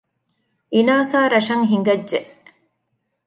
އިނާސާ ރަށަށް ހިނގައްޖެ